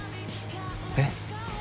えっ？